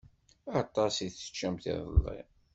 Aṭas i teččamt iḍelli.